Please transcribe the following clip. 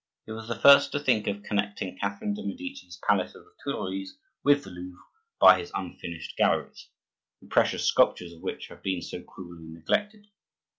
He was the first to think of connecting Catherine de' Medici's palace of the Tuileries with the Louvre by his unfinished galleries, the precious sculptures of which have been so cruelly neglected.